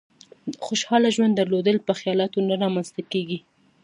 خوشحاله ژوند درلودل په خيالاتو نه رامېنځ ته کېږي.